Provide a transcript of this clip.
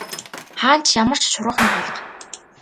Хаана ч ямар ч шургах нүх алга.